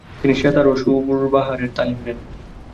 তিনি সেতার ও সুরবাহারের তালিম নেন।